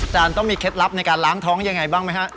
ต้องมีเคล็ดลับในการล้างท้องยังไงบ้างไหมฮะ